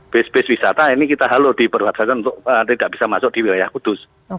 base base wisata ini kita halau diperhatikan untuk tidak bisa masuk di wilayah kudus